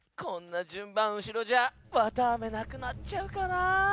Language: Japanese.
こんなじゅんばんうしろじゃあわたあめなくなっちゃうかなぁ。